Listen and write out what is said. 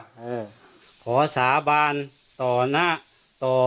ข้าพเจ้านางสาวสุภัณฑ์หลาโภ